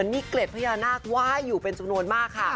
มีเกร็ดพระยานาคว้ายอยู่สมนวณมาก